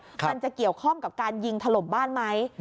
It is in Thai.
มันจะเกี่ยวข้องกับการยิงถล่มบ้านไหม